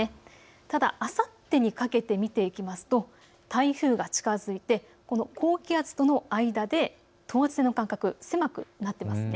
ただ、あさってにかけて見ていきますと台風が近づいて高気圧との間で等圧線の間隔が狭くなっていますよね。